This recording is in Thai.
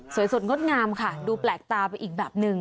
สดงดงามค่ะดูแปลกตาไปอีกแบบนึง